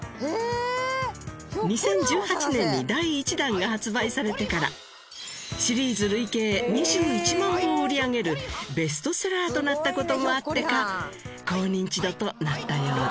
２０１８年に第１弾が発売されてからシリーズ累計２１万部を売り上げるベストセラーとなった事もあってか高ニンチドとなったようです。